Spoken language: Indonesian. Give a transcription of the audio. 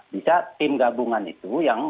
bisa tim gabungan itu yang